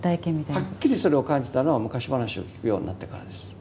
はっきりそれを感じたのは昔話を聞くようになってからです。